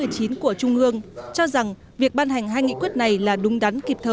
của trung ương cho rằng việc ban hành hai nghị quyết này là đúng đắn kịp thời